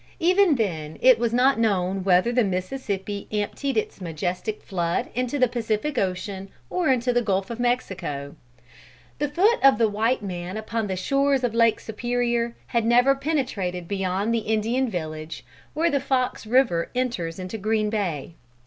Even then it was not known whether the Mississippi emptied its majestic flood into the Pacific Ocean or into the Gulf of Mexico. The foot of the white man upon the shores of Lake Superior, had never penetrated beyond the Indian village, where the Fox River enters into Green Bay.